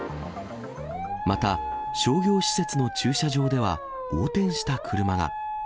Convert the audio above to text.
また、商業施設の駐車場では、横転した車が。